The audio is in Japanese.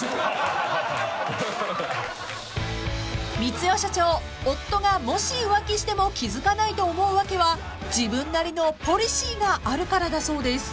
［光代社長夫がもし浮気しても気付かないと思う訳は自分なりのポリシーがあるからだそうです］